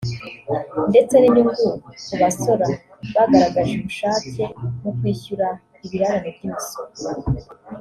ndetse n’inyungu ku basora bagaragje ubushake mu kwishyura ibirararane by’imisoro”